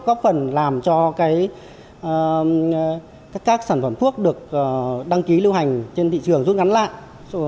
góp phần làm cho các sản phẩm thuốc được đăng ký lưu hành trên thị trường rút ngắn lại